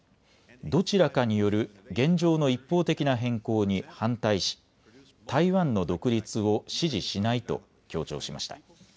どちらかによる現状の一方的な変更に反対し台湾の独立を支持しないと強調しました。